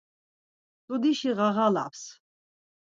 Mtsudişi ğağalaps.